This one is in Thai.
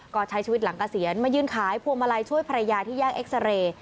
ก็ใช้ชีวิตหลังเกษียณมายืนขายพวงมาลัยช่วยภรรยาที่แยกเอ็กซาเรย์